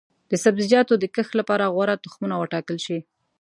د سبزیجاتو د کښت لپاره غوره تخمونه وټاکل شي.